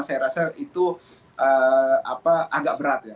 saya rasa itu agak berat ya